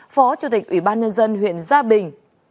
phó chủ tịch ủy ban nhân dân huyện gia bình